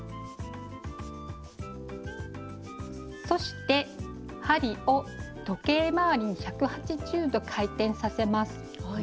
そして針を時計回りに１８０度回転させます。